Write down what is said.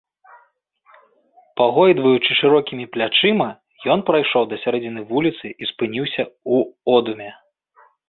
Пагойдваючы шырокімі плячыма, ён прайшоў да сярэдзіны вуліцы і спыніўся ў одуме.